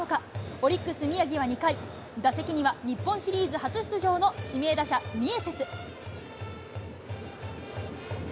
オリックス、宮城は２回、打席には日本シリーズ初出場の指名打者、ミエセス。